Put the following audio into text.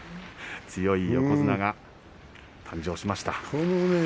強い横綱が誕生しました。